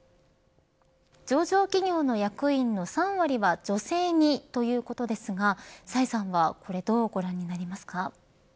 上場企業の役員の３割は女性にということですが、崔さんはこれをどうご覧になりますか。